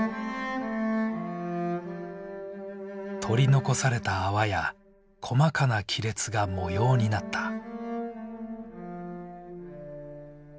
取り残された泡や細かな亀裂が模様になった。